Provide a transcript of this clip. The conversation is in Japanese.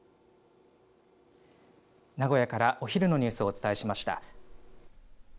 名古屋からお昼のニュースをお伝えしました。